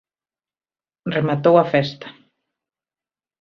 Rematou a festa.